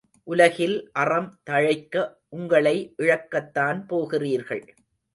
உலகில் அறம் தழைக்க உங்களை இழக்கத்தான் போகிறீர்கள்.